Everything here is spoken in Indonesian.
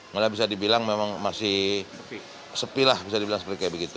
malah bisa dibilang memang masih sepi lah bisa dibilang seperti kayak begitu